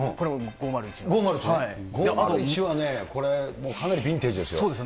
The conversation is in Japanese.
５０１はね、もうかなりビンテージですよ。